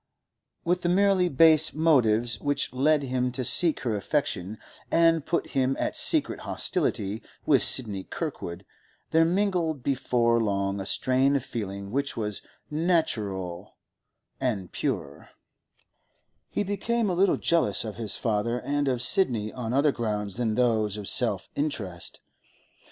With the merely base motives which led him to seek her affection and put him at secret hostility with Sidney Kirkwood, there mingled before long a strain of feeling which was natural and pure; he became a little jealous of his father and of Sidney on other grounds than those of self interest.